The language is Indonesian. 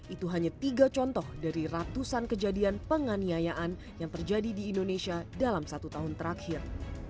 itu hanya tiga contoh dari ratusan kejadian penganiayaan yang terjadi di indonesia dalam satu tahun terakhir